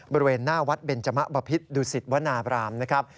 บริเวณหน้าวัดเบนจมะบพิษดุสิตวนาบรามนะครับ